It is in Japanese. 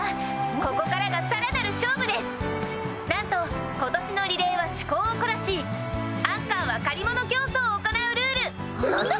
ここからがさらなる勝負です何と今年のリレーは趣向を凝らしアンカーは借り物競争を行うルール何だ！？